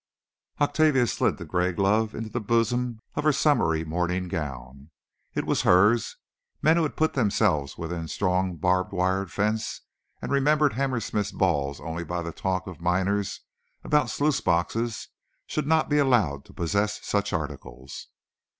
Octavia slid the gray glove into the bosom of her summery morning gown. It was hers. Men who put themselves within a strong barbed wire fence, and remember Hammersmith balls only by the talk of miners about sluice boxes, should not be allowed to possess such articles.